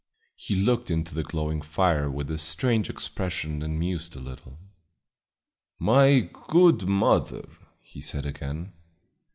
He looked into the glowing fire with a strange expression and mused a little. "My good mother!" he said again.